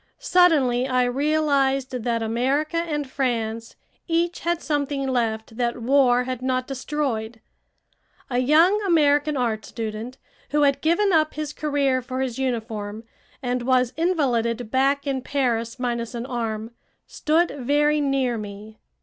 Suddenly I realized that America and France each had something left that war had not destroyed. A young American art student, who had given up his career for his uniform, and was invalided back in Paris minus an arm, stood very near me.